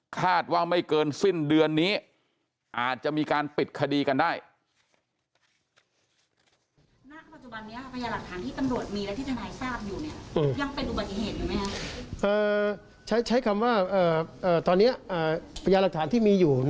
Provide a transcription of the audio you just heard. คาดว่าไม่เกินสิ้นเดือนนี้อาจจะมีการปิดคดีกันได้